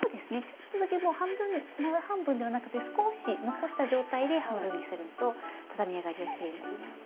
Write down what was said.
ちょっとだけ真半分ではなくて少し残した状態で半分にするとたたみ上がりがきれいになります。